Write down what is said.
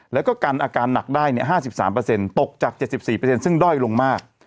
แล้วก็กันอาการหนักได้๕๓ตกจาก๗๔ซึ่งด้อยลงมาก